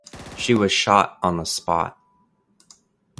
She was shot on the spot.